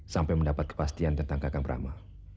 sampai mendapat kepastian tentang kakak berama